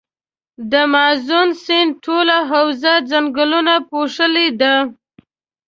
د مازون سیند ټوله حوزه ځنګلونو پوښلي ده.